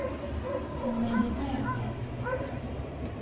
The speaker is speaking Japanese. おめでたやて。